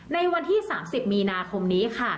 ในวันที่สามสิบมีนาคมนี้ค่ะ